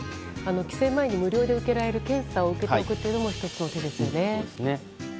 帰省前に、無料で受けられる検査を受けるというのも１つの手ですよね。